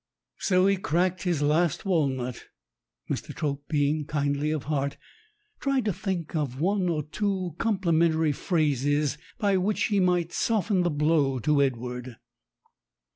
So as he cracked his last walnut, Mr. Trope, being kindly of heart, tried to think of one or two compli mentary phrases by which he might soften the blow to Edward.